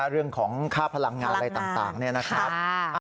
เรื่องของค่าพลังงานอะไรต่างเนี่ยนะครับ